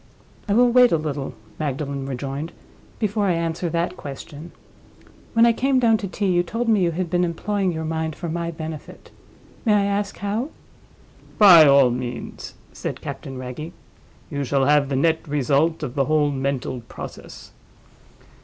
"I will wait a little," Magdalen rejoined, "before I answer that question. When I came down to tea, you told me you had been employing your mind for my benefit. May I ask how?" "By all means," said Captain Wragge. "You shall have the net result of the whole mental process.